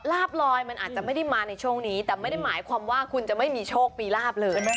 ลาบลอยมันอาจจะไม่ได้มาในช่วงนี้แต่ไม่ได้หมายความว่าคุณจะไม่มีโชคมีลาบเลย